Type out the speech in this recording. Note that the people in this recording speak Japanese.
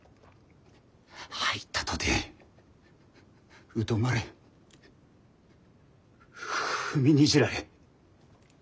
入ったとて疎まれ踏みにじられ。